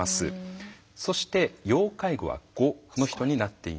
そして要介護は５の人になっています。